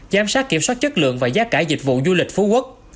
giám sát kiểm soát chất lượng và giá cả dịch vụ du lịch phú quốc